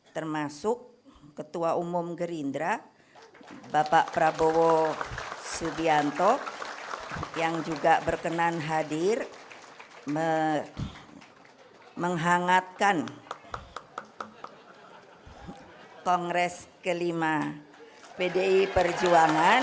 termasuk ketua umum gerindra bapak prabowo subianto yang juga berkenan hadir menghangatkan kongres kelima pdi perjuangan